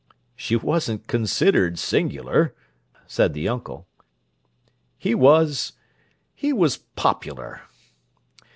"She wasn't considered singular," said the uncle "He was—he was popular.